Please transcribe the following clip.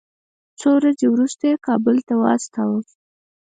څو ورځې وروسته یې کابل ته واستاوه.